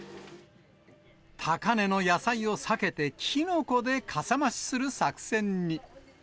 高値の野菜を避けて、きのこでかさ増しする作戦に。